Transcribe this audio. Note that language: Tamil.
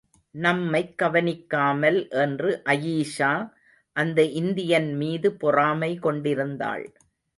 நம்மைக் கவனிக்காமல் என்று அயீஷா அந்த இந்தியன் மீது பொறாமை கொண்டிருந்தாள்.